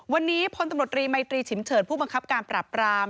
วันนี้พลตำรวจรีมัยตรีฉิมเฉินผู้บังคับการปราบราม